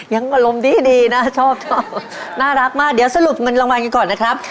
อารมณ์ดีนะชอบน่ารักมากเดี๋ยวสรุปเงินรางวัลกันก่อนนะครับ